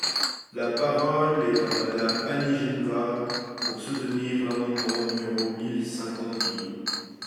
La parole est à Madame Annie Genevard, pour soutenir l’amendement numéro mille cinquante-deux.